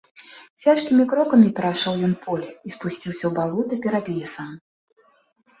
Цяжкімі крокамі перайшоў ён поле і спусціўся ў балота перад лесам.